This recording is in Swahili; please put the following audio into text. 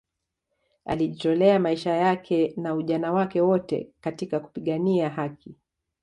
alijitolea maisha yake na ujana wake wote katika kupigania haki